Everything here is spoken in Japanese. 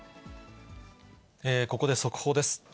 ここで速報です。